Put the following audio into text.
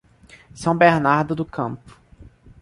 São Bernardo do Campo